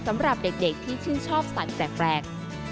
สำหรับเด็กที่ชื่นชอบสัตว์แปลก